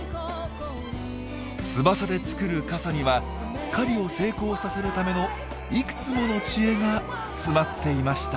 翼で作る傘には狩りを成功させるためのいくつもの知恵が詰まっていました。